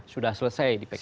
sudah selesai di pks